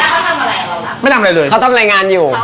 เขาทำอะไรกับเราล่ะไม่ทำอะไรเลยเขาทำอะไรงานอยู่